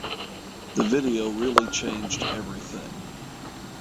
The video really changed everything.